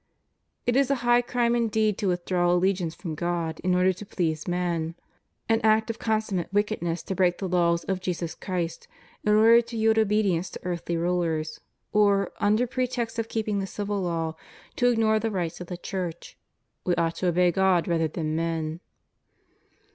It is a high crime indeed to withdraw alle giance from God in order to please men; an act of consum mate wickedness to break the laws of Jesus Christ, in order to yield obedience to earthly rulers, or, under pretext of keeping the civil law, to ignore the rights of the Church ; we ought to obey God rather than men?